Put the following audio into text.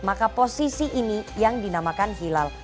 maka posisi ini yang dinamakan hilal